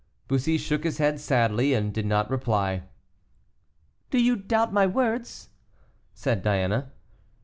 Bussy shook his head sadly, and did not reply. "Do you doubt my words?" said Diana.